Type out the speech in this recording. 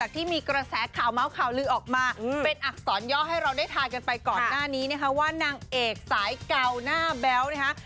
ที่มีกระแสข่าวเมาส์ข่าวลือออกมาเป็นอักษรย่อให้เราได้ทานกันไปก่อนหน้านี้นะคะว่านางเอกสายเก่าหน้าแบ๊วนะคะ